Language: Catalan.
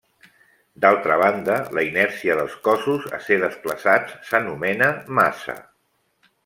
D'altra banda, la inèrcia dels cossos a ser desplaçats s'anomena massa.